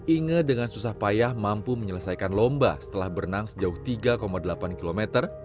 inge dengan susah payah mampu menyelesaikan lomba setelah berenang sejauh tiga delapan kilometer